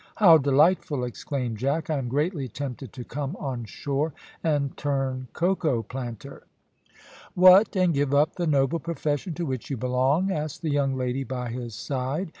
"How delightful!" exclaimed Jack. "I am greatly tempted to come on shore, and turn cocoa planter." "What, and give up the noble profession to which you belong?" asked the young lady by his side.